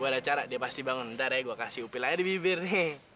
dia jadi mau masuk rumah kita deh